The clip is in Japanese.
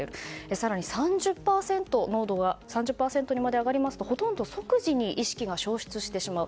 更に、３０％にまで上がりますとほとんど即時に意識が消失してしまう。